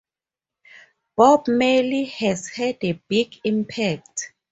Bob Marley has had a big impact.